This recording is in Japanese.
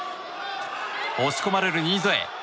押し込まれる新添。